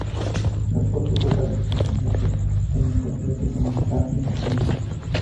Las partes vocales están inmersas en un concierto instrumental independiente.